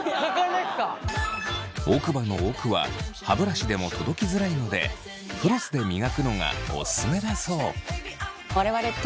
奥歯の奥は歯ブラシでも届きづらいのでフロスで磨くのがオススメだそう。